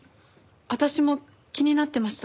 私も気になってました。